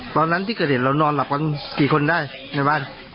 ตอนนั้นที่เกิดเหตุเรานอนหลับกันกี่คนได้ในบ้าน